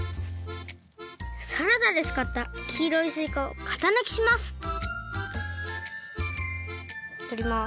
サラダでつかったきいろいすいかをかたぬきしますとります。